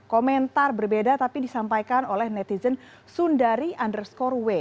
komentar berbeda tapi disampaikan oleh netizen sundari underscore w